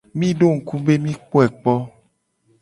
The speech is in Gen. Mi do ngku be mi kpoe kpo.